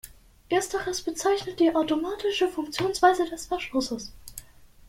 Ersteres bezeichnet die automatische Funktionsweise des Verschlusses.